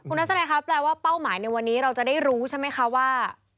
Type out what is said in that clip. คุณนัสไนท์ครับแปลว่าเป้าหมายในวันนี้เราจะได้รู้ใช่ไหมค่ะว่า